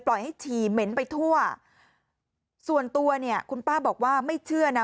ให้ฉี่เหม็นไปทั่วส่วนตัวเนี่ยคุณป้าบอกว่าไม่เชื่อนะ